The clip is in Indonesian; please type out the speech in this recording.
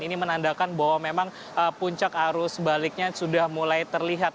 ini menandakan bahwa memang puncak arus baliknya sudah mulai terlihat